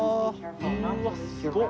うわすごっ。